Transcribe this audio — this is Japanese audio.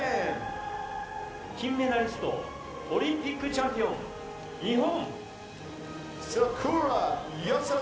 金メダリスト、オリンピックチャンピオン、日本。